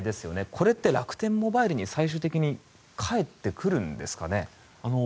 これって楽天モバイルに最終的に返ってくるんですかね。